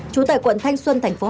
trú tại quận thanh xuân tp hcm